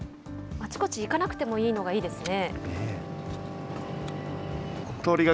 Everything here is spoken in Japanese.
あちこち行かなくてもいいのがいいですね。